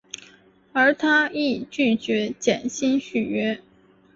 而他亦拒绝减薪续约。